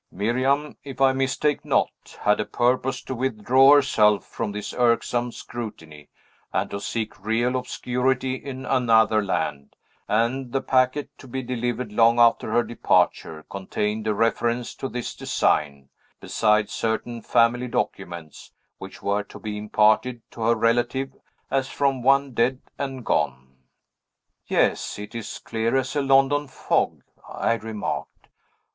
"Miriam, if I mistake not, had a purpose to withdraw herself from this irksome scrutiny, and to seek real obscurity in another land; and the packet, to be delivered long after her departure, contained a reference to this design, besides certain family documents, which were to be imparted to her relative as from one dead and gone." "Yes, it is clear as a London fog," I remarked.